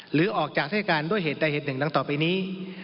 หรือออกจากราชการด้วยเหตุใดเหตุหนึ่งดังต่อไปนี้